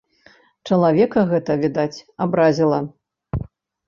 Чалавека гэта, відаць, абразіла.